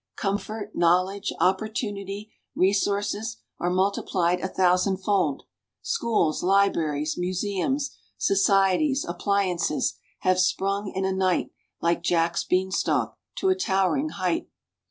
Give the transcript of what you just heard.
Comfort, knowledge, opportunity, resources, are multiplied a thousandfold. Schools, libraries, museums, societies, appliances, have sprung in a night, like Jack's bean stalk, to a towering height.